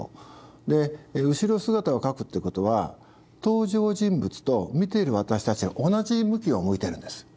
で後ろ姿を描くってことは登場人物と見ている私たちが同じ向きを向いてるんです。